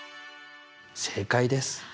正解です。